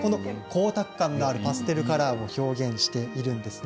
光沢感のあるパステルカラーを出しています。